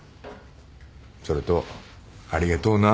それとありがとうな。